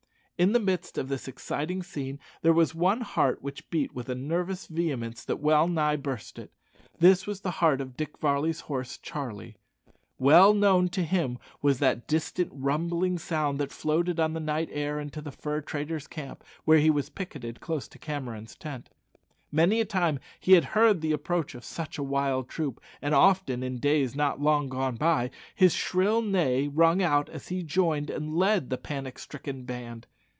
In the midst of this exciting scene there was one heart which beat with a nervous vehemence that well nigh burst it. This was the heart of Dick Varley's horse, Charlie. Well known to him was that distant rumbling sound that floated on the night air into the fur traders' camp, where he was picketed close to Cameron's tent. Many a time had he heard the approach of such a wild troop, and often, in days not long gone by, had his shrill neigh rung out as he joined and led the panic stricken band.